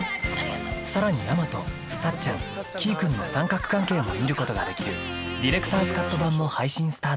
さらにＹＡＭＡＴＯさっちゃんきーくんの三角関係も見ることができるディレクターズカット版も配信スタート